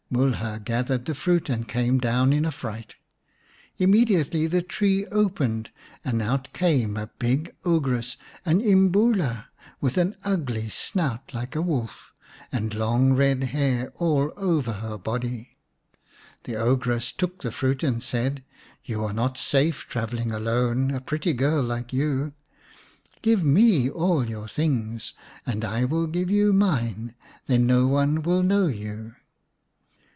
Mulha gathered the fruit and came down in a fright. Immediately the tree opened and out came a big ogress, an Imbula, with an ugly snout like a wolf, and long red hair all over her body. The ogress took the fruit and said, "You are not safe travelling alone, a pretty girl like you. Give me all your things and I will give you mine, then no one will know you."